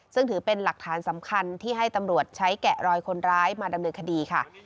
ซึ่งถือเป็นหลักฐานสำคัญที่ให้ตำรวจใช้แกะรอยคนร้ายมาดำเนินคดีค่ะ